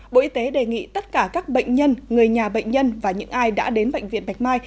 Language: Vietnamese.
bộ y tế đề nghị tất cả các bệnh nhân người nhà bệnh nhân và những ai đã đến bệnh viện bạch mai